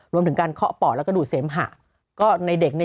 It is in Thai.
รวมถึงการเคาะปอดแล้วก็ดูดเสมหะก็ในเด็กเนี่ย